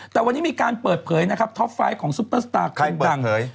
แต่วันนี้มีการเปิดเผยนะครับท็อปไฟต์ของซุปเปอร์สตาร์คนดัง